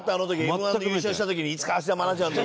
Ｍ−１で優勝した時にいつか芦田愛菜ちゃんと。